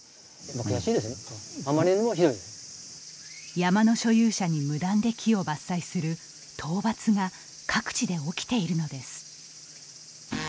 山の所有者に無断で木を伐採する盗伐が各地で起きているのです。